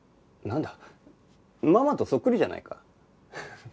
なんだママとそっくりじゃないか。